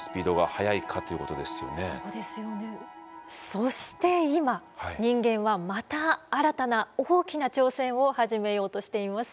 そして今人間はまた新たな大きな挑戦を始めようとしています。